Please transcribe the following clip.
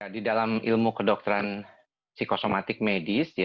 di dalam ilmu kedokteran psikosomatik medis